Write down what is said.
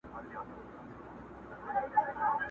ستا تر پوهي مي خپل نیم عقل په کار دی!!